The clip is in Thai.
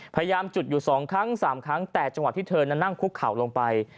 พยายามจุดอยู่๒ครั้ง๓ครั้งแต่จังหวะที่เธอนั้นนั่งคุกเข่าลงไป